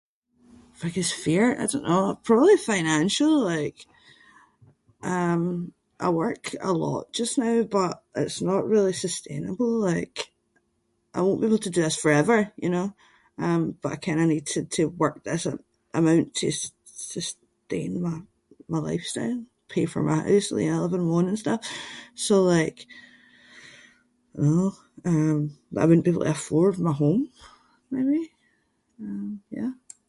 Biggest fear? I don’t know, probably financial. Like um I work a lot just now but it’s not really sustainable like I won’t be able to do this forever, you know? Um but I kind of need to- to work this a-amount to s-sustain my- my lifestyle, pay for my house- like I live on my own and stuff. So like [inc] I wouldn’t be able to afford my home, really. Um, yeah.